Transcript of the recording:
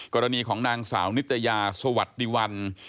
กรณีของนางสาวนิตยาสวัสดีวัน